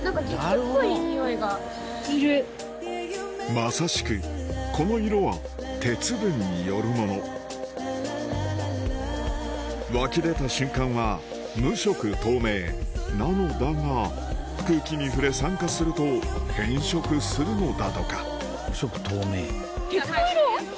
まさしくこの色は鉄分によるもの湧き出た瞬間は無色透明なのだが空気に触れ酸化すると変色するのだとか鉄の色？